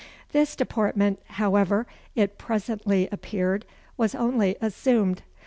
This deportment, however, it presently appeared, was only assumed.